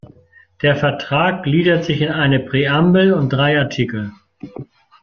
Der Vertrag gliedert sich in eine Präambel und drei Artikel.